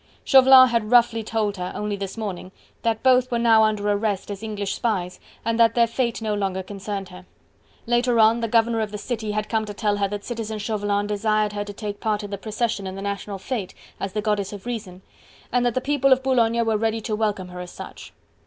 Chauvelin had roughly told her, only this morning, that both were now under arrest as English spies, and that their fate no longer concerned her. Later on the governor of the city had come to tell her that Citizen Chauvelin desired her to take part in the procession and the national fete, as the Goddess of Reason, and that the people of Boulogne were ready to welcome her as such.